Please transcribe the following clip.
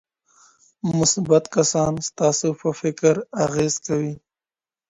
مثبت کسان ستاسو په فکر اغېز کوي.